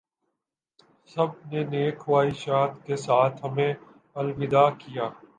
سب نے نیک خواہشات کے ساتھ ہمیں الوداع کیا